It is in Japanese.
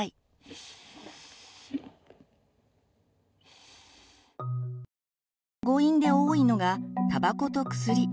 子どもの誤飲で多いのがたばこと薬。